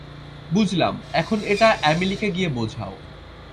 বুঝলাম, এখন এটা অ্যামিলিকে গিয়ে বোঝাও।